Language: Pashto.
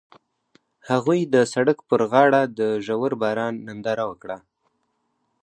هغوی د سړک پر غاړه د ژور باران ننداره وکړه.